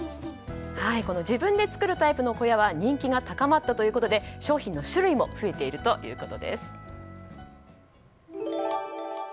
自分で作るタイプの小屋は人気が高まったということで商品の種類も増えているということです。